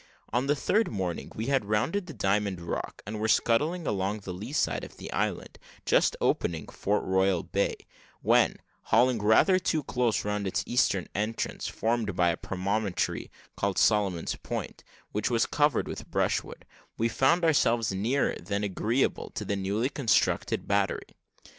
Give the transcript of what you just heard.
On the third morning, we had rounded the Diamond Rock, and were scudding along the lee side of the island, just opening Fort Royal bay, when, hauling rather too close round its eastern entrance, formed by a promontory called Solomon's Point, which was covered with brushwood, we found ourselves nearer than agreeable to a newly constructed battery.